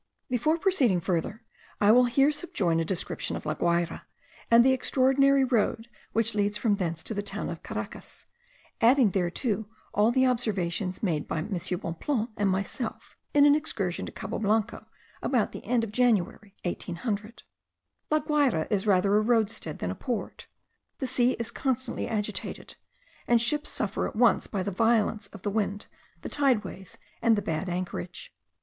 Before proceeding further, I will here subjoin a description of La Guayra, and the extraordinary road which leads from thence to the town of Caracas, adding thereto all the observations made by M. Bonpland and myself, in an excursion to Cabo Blanco about the end of January 1800. La Guayra is rather a roadstead than a port. The sea is constantly agitated, and ships suffer at once by the violence of the wind, the tideways, and the bad anchorage.